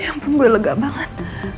ya ampun gue lega banget